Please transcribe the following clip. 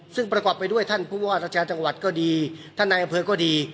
ซึ่งประกอบไปด้วยท่านผู้ว่าราชการจังหวัดก็ดีท่านนายอำเภอก็ดี